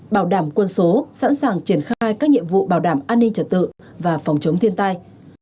bảo đảm quân số sẵn sàng triển khai các nhiệm vụ bảo đảm an ninh trật tự và phòng chống thiên tai